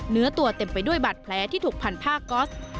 เนื้อตัวเต็มไปด้วยบาดแผลที่ถูกพันผ้าก๊อส